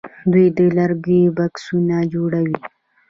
دوی د لرګیو بکسونه جوړوي.